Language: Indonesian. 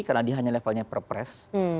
karena dia hanya levelnya perpres